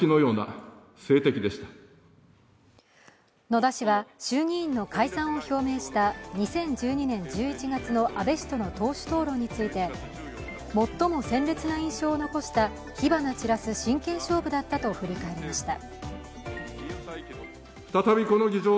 野田氏は衆議院の解散を表明した２０１２年１１月の安倍氏との党首討論について最も鮮烈な印象を残した火花散らす真剣勝負だったと振り返りました。